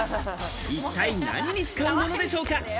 一体何に使うものでしょうか？